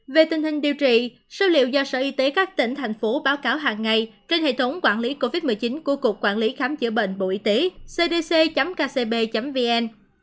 về tình hình điều trị số liệu do sở y tế các tỉnh thành phố báo cáo hàng ngày trên hệ thống quản lý covid một mươi chín của cục quản lý khám chữa bệnh bộ y tế cdc kcb vn